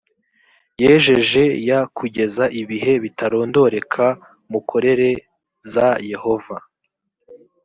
yejeje y kugeza ibihe bitarondoreka mukorere z yehova